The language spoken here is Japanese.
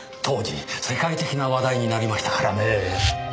当時世界的な話題になりましたからねぇ。